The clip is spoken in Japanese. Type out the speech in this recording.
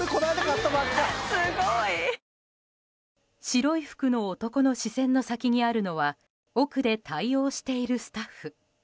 白い服の男の視線の先にあるのは奥で対応しているスタッフ。